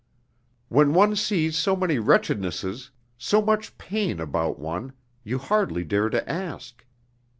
When one sees so many wretchednesses, so much pain about one, you hardly dare to ask....